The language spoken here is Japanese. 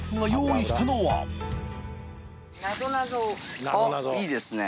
あっいいですね。